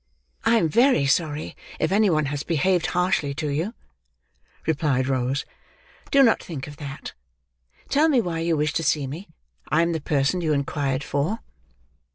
"I am very sorry if any one has behaved harshly to you," replied Rose. "Do not think of that. Tell me why you wished to see me. I am the person you inquired for."